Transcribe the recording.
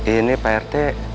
ini pak rt